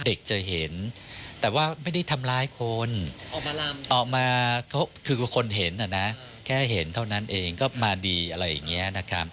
เด็กจะเห็นแต่ว่าไม่ได้ทำร้ายคนออกมาก็คือคนเห็นนะแค่เห็นเท่านั้นเองก็มาดีอะไรอย่างนี้นะครับ